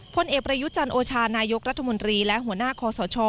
พลเอกประยุจันทร์โอชานายกรัฐมนตรีและหัวหน้าคอสช